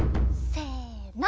せの。